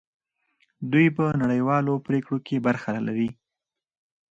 دوی په نړیوالو پریکړو کې برخه لري.